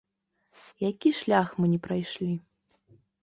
Які шлях мы не прайшлі?